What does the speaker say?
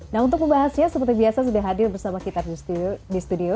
nah untuk membahasnya seperti biasa sudah hadir bersama kita di studio